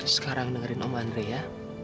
sekarang dengerin om andre ya